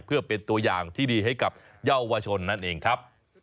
เพื่อเป็นตัวอย่างที่ดีให้กับเยาวชนนั่นเองครับ